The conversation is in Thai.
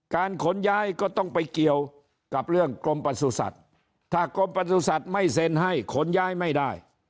ขนย้ายก็ต้องไปเกี่ยวกับเรื่องกรมประสุทธิ์ถ้ากรมประสุทธิ์ไม่เซ็นให้ขนย้ายไม่ได้